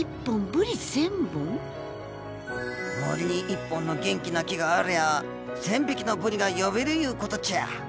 森に一本の元気な木がありゃあ千匹のブリが呼べるいうことちゃ。